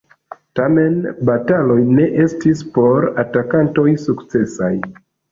Tamen bataloj ne estis por atakantoj sukcesaj.